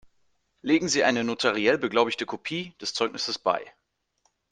Legen Sie eine notariell beglaubigte Kopie des Zeugnisses bei.